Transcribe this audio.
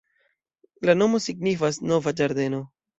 La nomo signifas nova ĝardeno.